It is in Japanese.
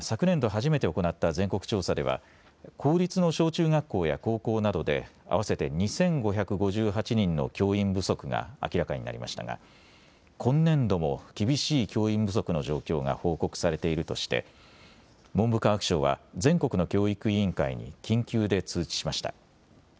初めて行った全国調査では公立の小中学校や高校などで合わせて２５５８人の教員不足が明らかになりましたが今年度も厳しい教員不足の状況が報告されているとして文部科学省は全国の教育委員会に緊急で通知しました。